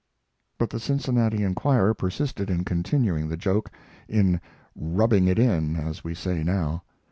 But the Cincinnati Enquirer persisted in continuing the joke in "rubbing it in," as we say now.